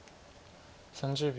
３０秒。